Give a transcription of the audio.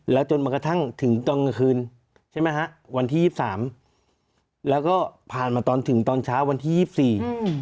แล้วจนมากระทั่งถึงตอนกลางคืนใช่ไหมฮะวันที่๒๓แล้วก็ผ่านมาตอนถึงตอนเช้าวันที่๒๔